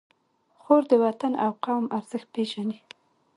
خور د وطن او قوم ارزښت پېژني.